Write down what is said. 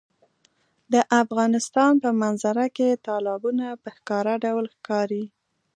د افغانستان په منظره کې تالابونه په ښکاره ډول ښکاري.